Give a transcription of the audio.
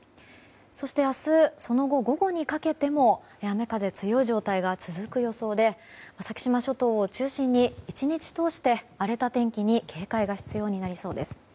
そして明日その後、午後にかけても雨風強い状態が続く予想で先島諸島を中心に１日通して荒れた天気に警戒が必要になりそうです。